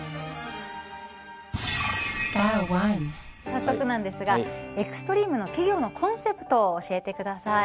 早速なんですがエクストリームの企業のコンセプトを教えてください。